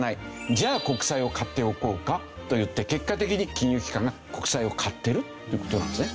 じゃあ国債を買っておこうかといって結果的に金融機関が国債を買ってるという事なんですね。